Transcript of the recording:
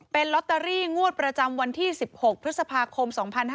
เป็นลอตเตอรี่งวดประจำวันที่๑๖พฤษภาคม๒๕๕๙